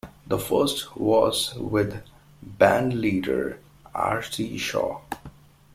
The first was with bandleader Artie Shaw.